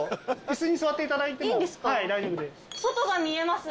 椅子に座っていただいても大丈夫です。